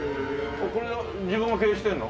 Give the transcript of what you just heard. これは自分が経営してんの？